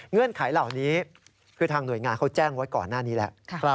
ไขเหล่านี้คือทางหน่วยงานเขาแจ้งไว้ก่อนหน้านี้แล้ว